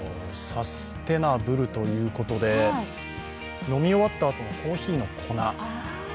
サステナブルということで飲み終わったあとのコーヒーの粉。